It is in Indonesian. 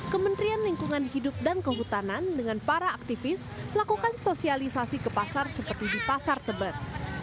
kementerian lingkungan hidup dan kehutanan dengan para aktivis melakukan sosialisasi ke pasar seperti di pasar tebet